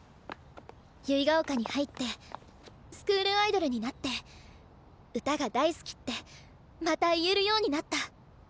結ヶ丘に入ってスクールアイドルになって歌が大好きってまた言えるようになった。